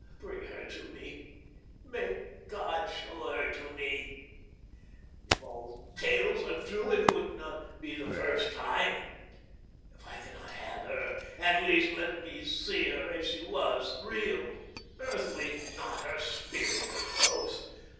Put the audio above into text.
Bring her to me; make God show her to me. If all tales are true, it would not be the first time. If I cannot have her, at least let me see her as she was, real, earthly, not her spirit, her ghost.